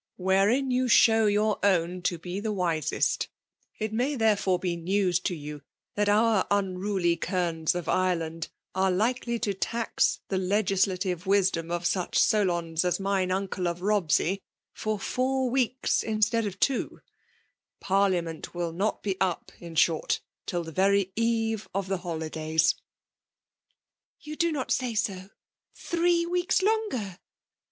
'' Whfereia yoa show yonr own to be the wisest It may therefore be news to yon that oar unruly kernes of Ireland arc likely to tax the legislative wisdom of sudi Solons as mine uncle of Bobsey> for four weeks instead of two; Parliament will not be up^ in shorty till the very eve of the holidays. •* You do not say so 1 Three weeks longer